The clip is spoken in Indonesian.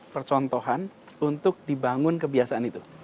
percontohan untuk dibangun kebiasaan itu